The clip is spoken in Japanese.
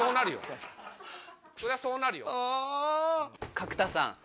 角田さん